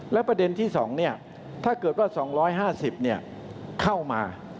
แล้วประเด็นที่สองเนี่ยถ้าเกิดว่า๒๕๐เนี่ยเข้ามา